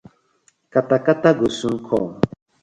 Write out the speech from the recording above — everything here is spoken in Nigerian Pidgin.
Kata kata go soon kom.